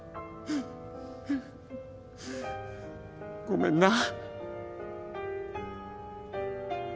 ごめんな。